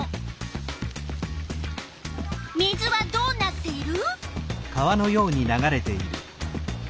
水はどうなっている？